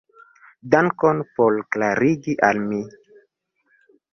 Dankon por klarigi al mi.